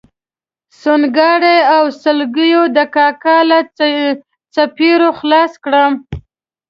سونګاري او سلګیو د کاکا له څپېړو خلاص کړم.